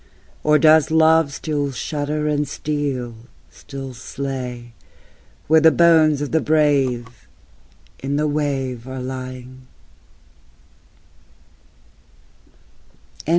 Or does love still shudder and steel still slay, Where the bones of the brave in the wave are lying?